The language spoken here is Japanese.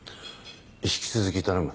引き続き頼む。